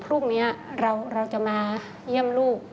พรุ่งนี้เราจะมาเยี่ยมลูก